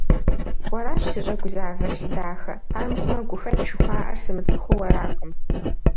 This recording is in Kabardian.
Уэращ сыщӀэгузавэр, си дахэ, армыхъумэ гухэлъ жыхуаӀэр сымыцӀыхуу аракъым.